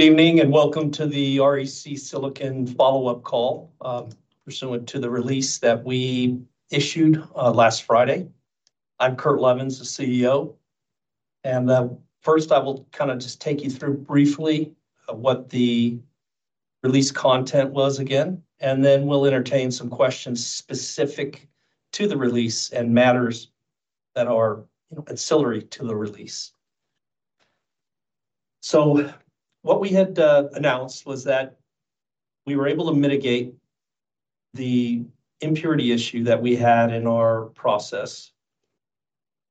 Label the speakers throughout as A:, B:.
A: Good evening, and welcome to the REC Silicon follow-up call, pursuant to the release that we issued last Friday. I'm Kurt Levens, the CEO, and first, I will kind of just take you through briefly what the release content was again, and then we'll entertain some questions specific to the release and matters that are, you know, ancillary to the release. What we had announced was that we were able to mitigate the impurity issue that we had in our process,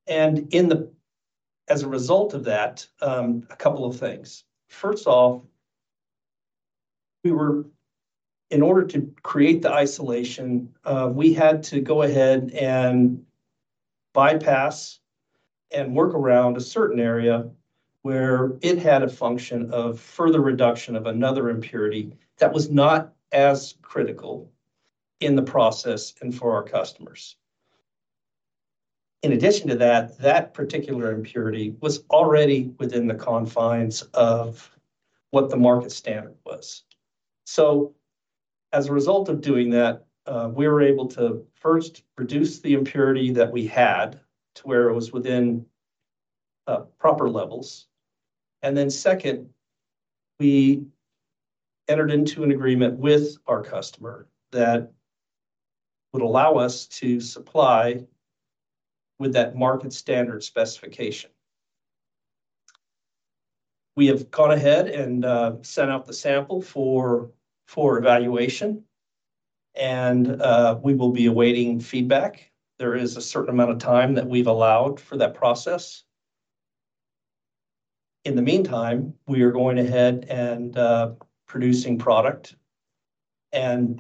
A: and as a result of that, a couple of things. First off, we were, in order to create the isolation, we had to go ahead and bypass and work around a certain area where it had a function of further reduction of another impurity that was not as critical in the process and for our customers. In addition to that, that particular impurity was already within the confines of what the market standard was, so as a result of doing that, we were able to first reduce the impurity that we had to where it was within proper levels, and then second, we entered into an agreement with our customer that would allow us to supply with that market standard specification. We have gone ahead and sent out the sample for evaluation, and we will be awaiting feedback. There is a certain amount of time that we've allowed for that process. In the meantime, we are going ahead and producing product, and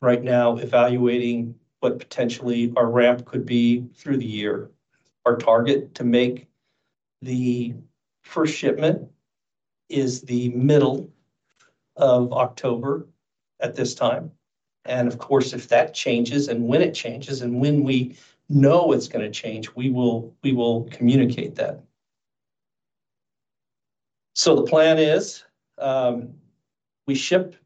A: right now evaluating what potentially our ramp could be through the year. Our target to make the first shipment is the middle of October at this time, and of course, if that changes, and when it changes, and when we know it's gonna change, we will communicate that. So the plan is, we ship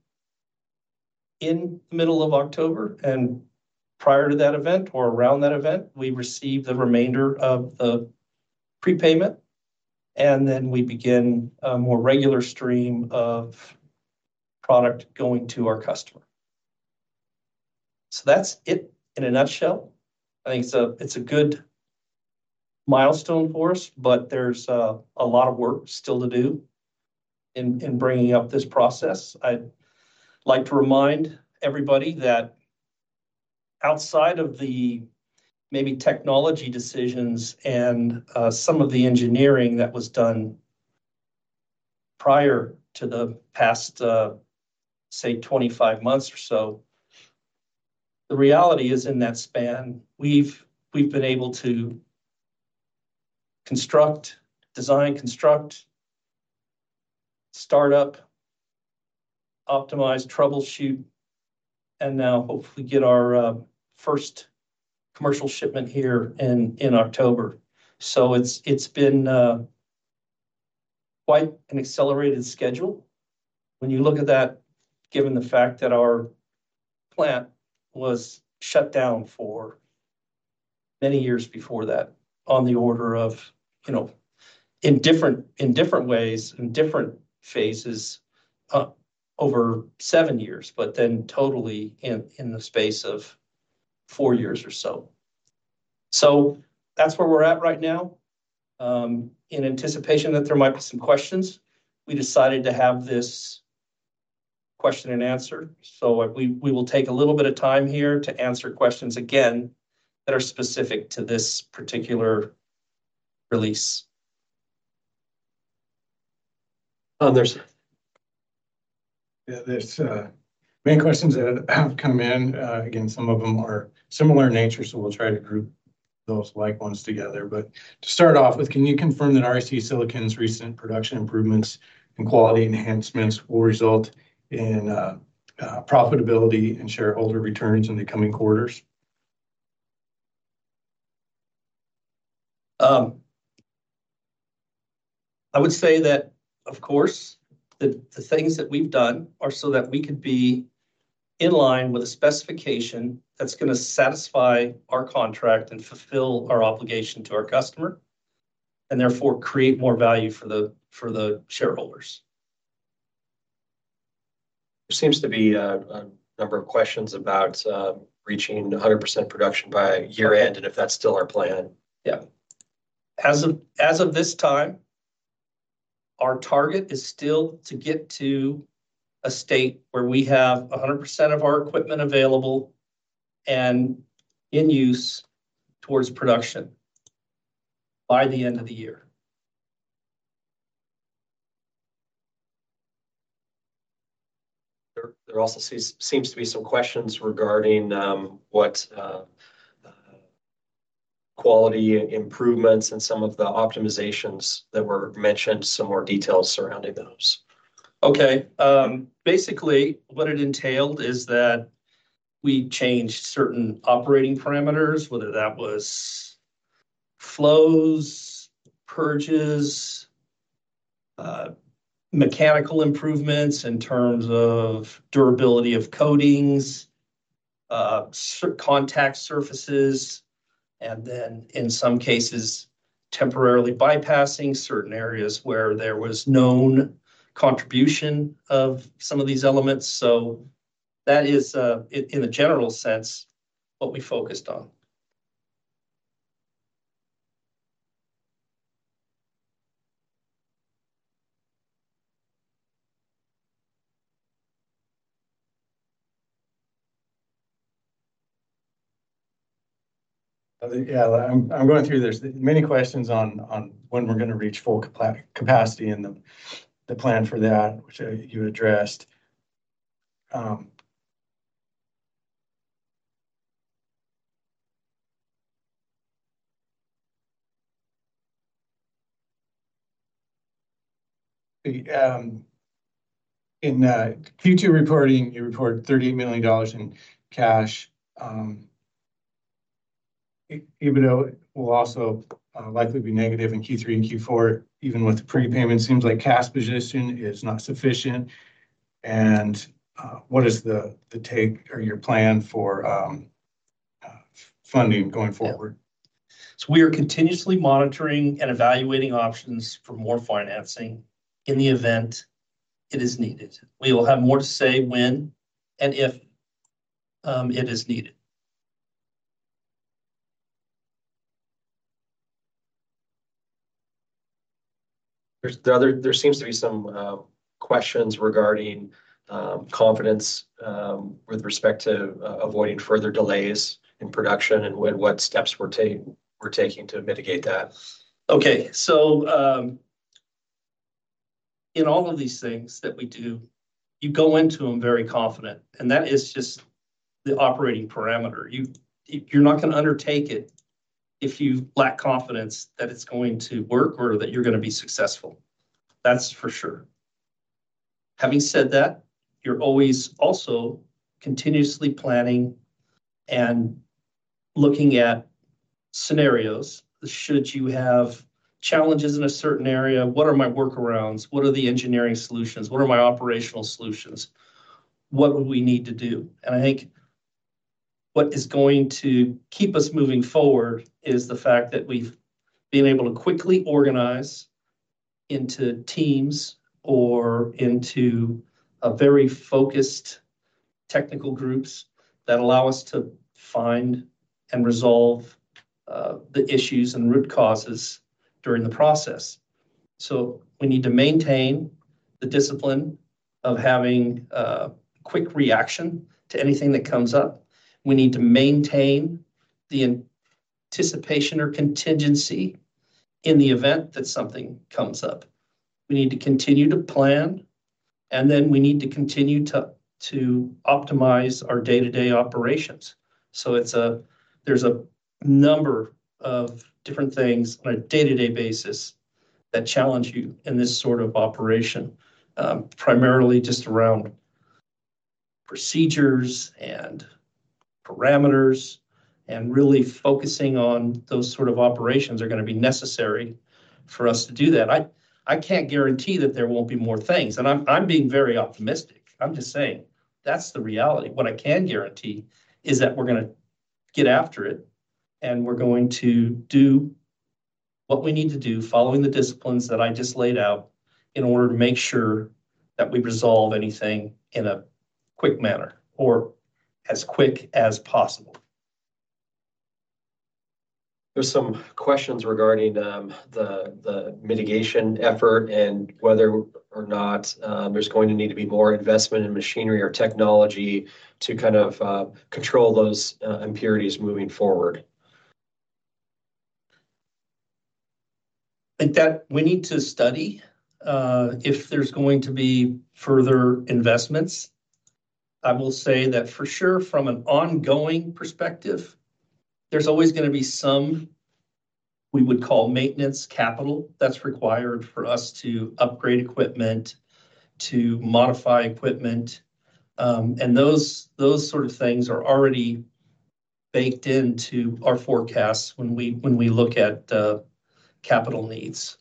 A: in the middle of October, and prior to that event or around that event, we receive the remainder of the prepayment, and then we begin a more regular stream of product going to our customer. So that's it in a nutshell. I think it's a good milestone for us, but there's a lot of work still to do in bringing up this process. I'd like to remind everybody that outside of the maybe technology decisions and some of the engineering that was done prior to the past, say, 25 months or so, the reality is, in that span, we've been able to construct... design, construct, start up, optimize, troubleshoot, and now hopefully get our first commercial shipment here in October. So it's been quite an accelerated schedule. When you look at that, given the fact that our plant was shut down for many years before that, on the order of, you know, in different ways, in different phases, over 7 years, but then totally in the space of 4 years or so. So that's where we're at right now. In anticipation that there might be some questions, we decided to have this question and answer. So we will take a little bit of time here to answer questions again that are specific to this particular release. Others? Yeah, there's many questions that have come in. Again, some of them are similar in nature, so we'll try to group those like ones together. But to start off with, can you confirm that REC Silicon's recent production improvements and quality enhancements will result in profitability and shareholder returns in the coming quarters? I would say that, of course, the things that we've done are so that we could be in line with a specification that's gonna satisfy our contract and fulfill our obligation to our customer, and therefore create more value for the shareholders. There seems to be a number of questions about reaching 100% production by year-end, and if that's still our plan. Yeah. As of this time, our target is still to get to a state where we have 100% of our equipment available and in use towards production by the end of the year. There also seems to be some questions regarding what quality improvements and some of the optimizations that were mentioned, some more details surrounding those. Okay, basically, what it entailed is that we changed certain operating parameters, whether that was flows, purges, mechanical improvements in terms of durability of coatings, surface contact surfaces, and then in some cases, temporarily bypassing certain areas where there was known contribution of some of these elements. So that is, in a general sense, what we focused on. I think, yeah, I'm going through. There's many questions on when we're gonna reach full capacity and the plan for that, which you addressed. In Q2 reporting, you reported $30 million in cash, even though it will also likely be negative in Q3 and Q4, even with the prepayment, seems like cash position is not sufficient, and what is the take or your plan for funding going forward? So we are continuously monitoring and evaluating options for more financing in the event it is needed. We will have more to say when and if it is needed. There seems to be some questions regarding confidence with respect to avoiding further delays in production and what steps we're taking to mitigate that. Okay, so, in all of these things that we do, you go into them very confident, and that is just the operating parameter. You're not gonna undertake it if you lack confidence that it's going to work or that you're gonna be successful. That's for sure. Having said that, you're always also continuously planning and looking at scenarios. Should you have challenges in a certain area, what are my workarounds? What are the engineering solutions? What are my operational solutions? What would we need to do? And I think what is going to keep us moving forward is the fact that we've been able to quickly organize into teams or into a very focused technical groups that allow us to find and resolve the issues and root causes during the process. So we need to maintain the discipline of having a quick reaction to anything that comes up. We need to maintain the anticipation or contingency in the event that something comes up. We need to continue to plan, and then we need to continue to optimize our day-to-day operations. So it's. There's a number of different things on a day-to-day basis that challenge you in this sort of operation, primarily just around procedures and parameters, and really focusing on those sort of operations are gonna be necessary for us to do that. I can't guarantee that there won't be more things, and I'm being very optimistic. I'm just saying that's the reality. What I can guarantee is that we're gonna get after it, and we're going to do what we need to do, following the disciplines that I just laid out, in order to make sure that we resolve anything in a quick manner or as quick as possible. There's some questions regarding the mitigation effort and whether or not there's going to need to be more investment in machinery or technology to kind of control those impurities moving forward. I think that we need to study if there's going to be further investments. I will say that for sure, from an ongoing perspective, there's always gonna be some we would call maintenance capital that's required for us to upgrade equipment, to modify equipment, and those sort of things are already baked into our forecasts when we look at the capital needs.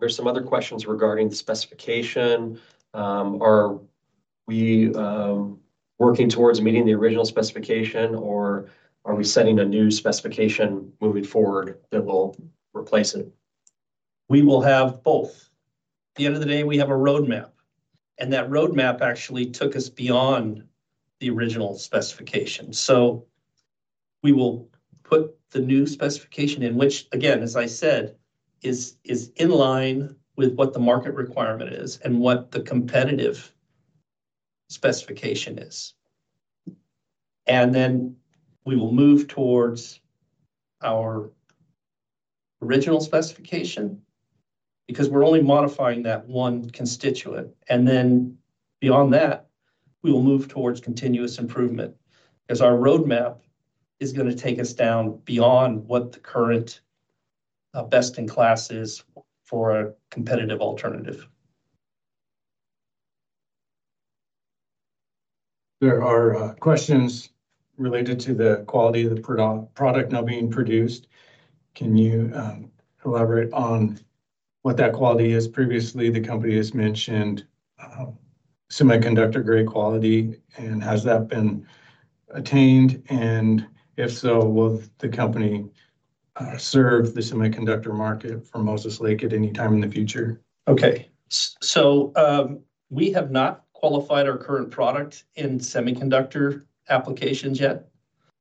A: There's some other questions regarding the specification. Are we working towards meeting the original specification, or are we setting a new specification moving forward that will replace it? We will have both. At the end of the day, we have a roadmap, and that roadmap actually took us beyond the original specification, so we will put the new specification in which, again, as I said, is in line with what the market requirement is and what the competitive specification is. And then we will move towards our original specification, because we're only modifying that one constituent, and then beyond that, we will move towards continuous improvement, as our roadmap is gonna take us down beyond what the current best in class is for a competitive alternative. There are questions related to the quality of the product now being produced. Can you elaborate on what that quality is? Previously, the company has mentioned semiconductor-grade quality, and has that been attained? And if so, will the company serve the semiconductor market for Moses Lake at any time in the future? Okay. So, we have not qualified our current product in semiconductor applications yet,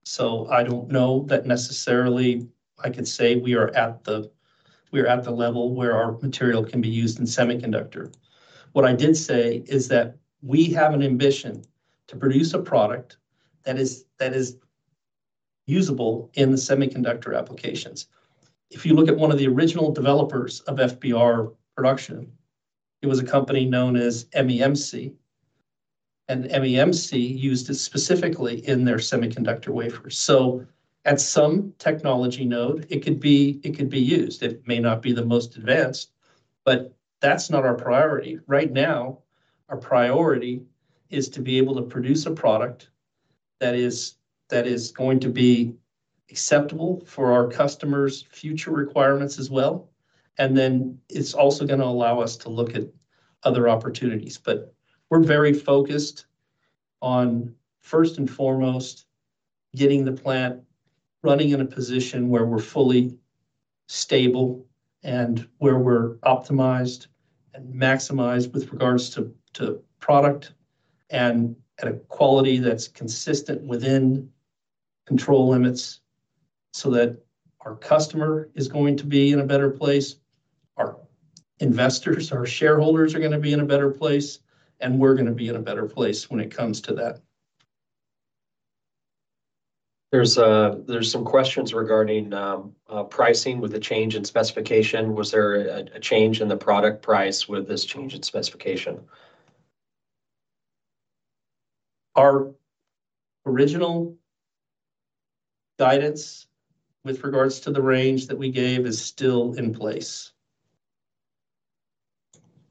A: so I don't know that necessarily I could say we are at the level where our material can be used in semiconductor. What I did say is that we have an ambition to produce a product that is usable in the semiconductor applications. If you look at one of the original developers of FBR production, it was a company known as MEMC, and MEMC used it specifically in their semiconductor wafers. So at some technology node, it could be used. It may not be the most advanced, but that's not our priority. Right now, our priority is to be able to produce a product that is going to be acceptable for our customers' future requirements as well, and then it's also gonna allow us to look at other opportunities. But we're very focused on, first and foremost, getting the plant running in a position where we're fully stable and where we're optimized and maximized with regards to product and at a quality that's consistent within control limits, so that our customer is going to be in a better place, our investors, our shareholders are gonna be in a better place, and we're gonna be in a better place when it comes to that. There's some questions regarding pricing with the change in specification. Was there a change in the product price with this change in specification? Our original guidance with regards to the range that we gave is still in place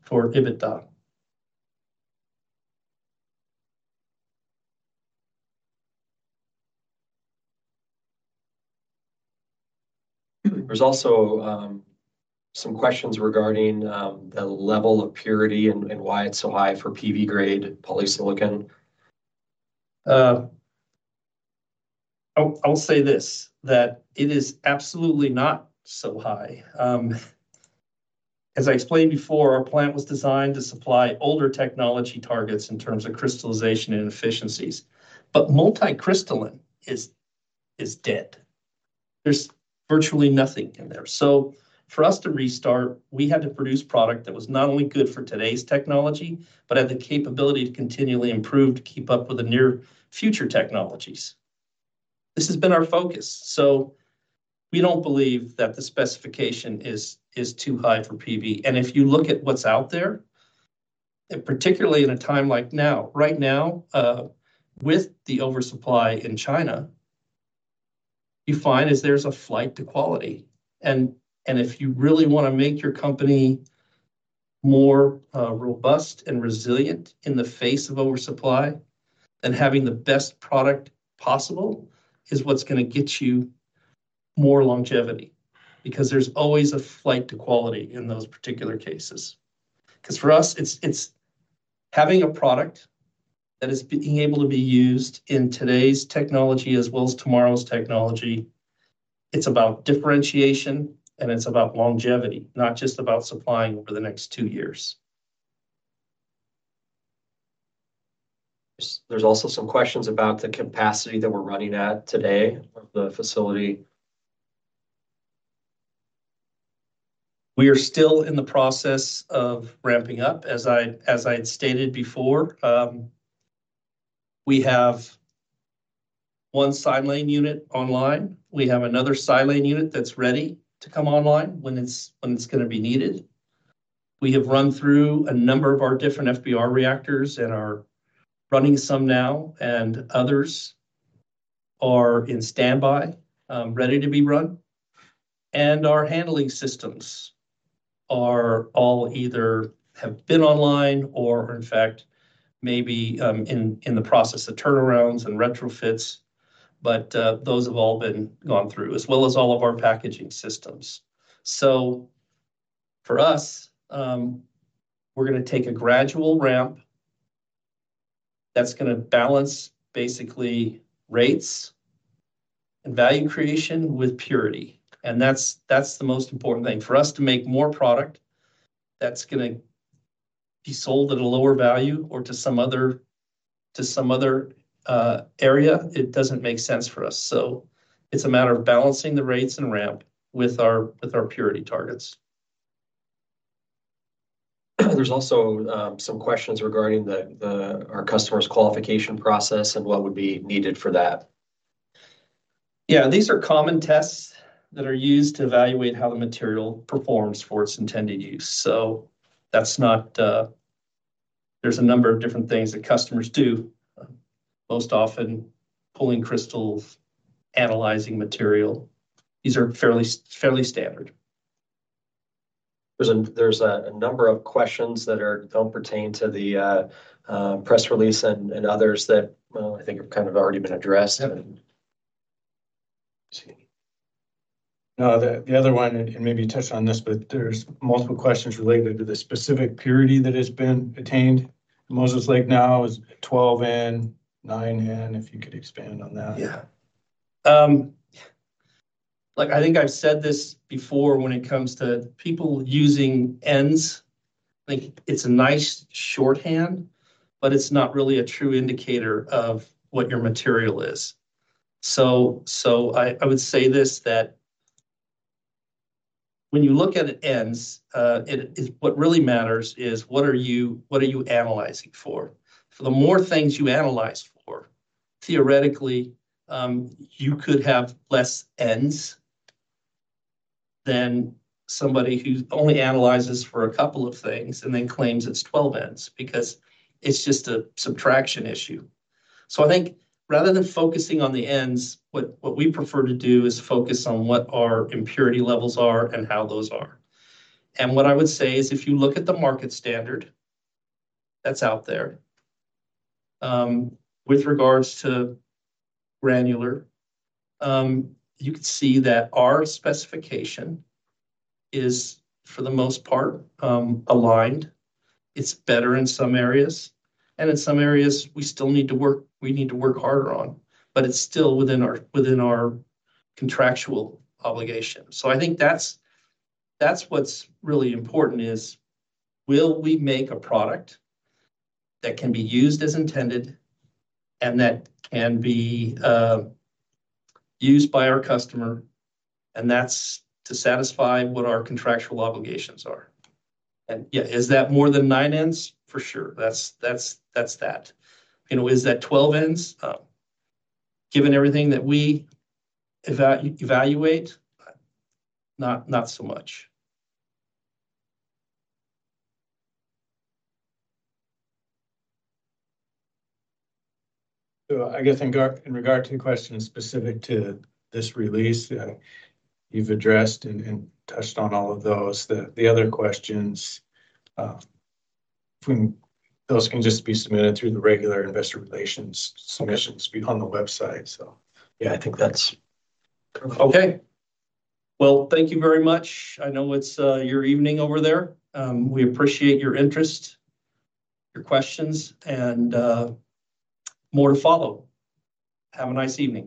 A: for EBITDA. There's also some questions regarding the level of purity and why it's so high for PV-grade polysilicon. I'll say this, that it is absolutely not so high. As I explained before, our plant was designed to supply older technology targets in terms of crystallization and efficiencies, but multicrystalline is dead. There's virtually nothing in there, so for us to restart, we had to produce product that was not only good for today's technology, but had the capability to continually improve to keep up with the near future technologies. This has been our focus, so we don't believe that the specification is too high for PV, and if you look at what's out there, and particularly in a time like now, right now, with the oversupply in China, you find is there's a flight to quality. If you really wanna make your company more robust and resilient in the face of oversupply, then having the best product possible is what's gonna get you more longevity, because there's always a flight to quality in those particular cases. 'Cause for us, it's having a product that is being able to be used in today's technology as well as tomorrow's technology. It's about differentiation, and it's about longevity, not just about supplying over the next two years. There's also some questions about the capacity that we're running at today of the facility. We are still in the process of ramping up. As I had stated before, we have one silane unit online. We have another silane unit that's ready to come online when it's gonna be needed. We have run through a number of our different FBR reactors and are running some now, and others are in standby, ready to be run. Our handling systems are all either have been online or, in fact, may be in the process of turnarounds and retrofits, but those have all been gone through, as well as all of our packaging systems. For us, we're gonna take a gradual ramp that's gonna balance basically rates and value creation with purity, and that's the most important thing. For us to make more product that's gonna be sold at a lower value or to some other area, it doesn't make sense for us. So it's a matter of balancing the rates and ramp with our purity targets. There's also some questions regarding our customers' qualification process and what would be needed for that. Yeah, these are common tests that are used to evaluate how the material performs for its intended use, so that's not... There's a number of different things that customers do. Most often, pulling crystals, analyzing material. These are fairly standard. There's a number of questions that don't pertain to the press release and others that, well, I think have kind of already been addressed. Yeah. Let's see. Now, the other one, and maybe you touched on this, but there's multiple questions related to the specific purity that has been attained. Moses Lake now is 12N, 9N, if you could expand on that. Yeah. Look, I think I've said this before when it comes to people using Ns. Like, it's a nice shorthand, but it's not really a true indicator of what your material is. So I would say this, that when you look at it Ns. What really matters is what are you analyzing for? So the more things you analyze for, theoretically, you could have less Ns than somebody who only analyzes for a couple of things and then claims it's twelve Ns, because it's just a subtraction issue. So I think rather than focusing on the Ns, what we prefer to do is focus on what our impurity levels are and how those are. What I would say is, if you look at the market standard that's out there, with regards to granular, you could see that our specification is, for the most part, aligned. It's better in some areas, and in some areas, we still need to work harder on, but it's still within our contractual obligations. So I think that's what's really important is, will we make a product that can be used as intended and that can be used by our customer, and that's to satisfy what our contractual obligations are? Yeah, is that more than 9Ns? For sure. That's that. You know, is that 12Ns? Given everything that we evaluate, not so much. So I guess in regard to the questions specific to this release, you've addressed and touched on all of those. The other questions, those can just be submitted through the regular investor relations submissions on the website. So yeah, I think that's... Okay, well, thank you very much. I know it's your evening over there. We appreciate your interest, your questions, and more to follow. Have a nice evening.